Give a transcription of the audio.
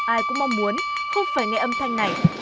ai cũng mong muốn không phải nghe âm thanh này